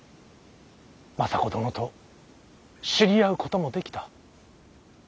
政子殿と知り合うこともできた。